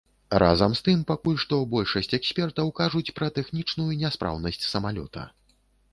Разам з тым, пакуль што большасць экспертаў кажуць пра тэхнічную няспраўнасць самалёта.